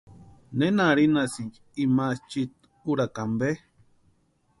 ¿Nena arhinhasïnki ima chiiti úrakwa ampe?